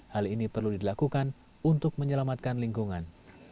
hal ini perlu dilakukan untuk menyelamatkan lingkungan